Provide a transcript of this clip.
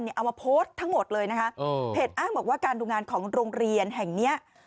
เอามาโพสต์ทั้งหมดเลยนะคะเพจอ้างบอกว่าการดูงานของโรงเรียนแห่งเนี้ย